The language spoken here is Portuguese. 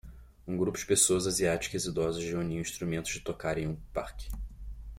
Um grupo de pessoas asiáticas idosas reuniu instrumentos de tocar em um parque.